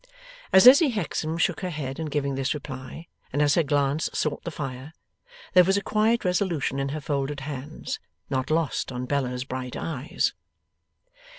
As Lizzie Hexam shook her head in giving this reply and as her glance sought the fire, there was a quiet resolution in her folded hands, not lost on Bella's bright eyes.